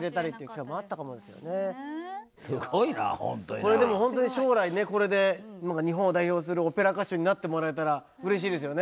これでもホントに将来これで日本を代表するオペラ歌手になってもらえたらうれしいですよね。